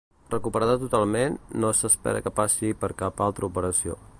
Recuperada totalment, no s'espera que passi per cap altra operació.